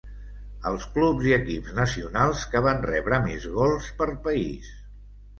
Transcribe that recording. Els Clubs i equips nacionals que van rebre més gols per país.